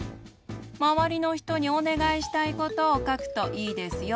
まわりのひとにおねがいしたいことをかくといいですよ。